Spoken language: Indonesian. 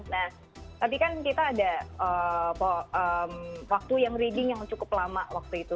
nah tapi kan kita ada waktu yang reaging yang cukup lama waktu itu